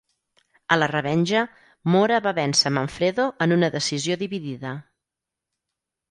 A la revenja, Mora va vèncer Manfredo en una decisió dividida.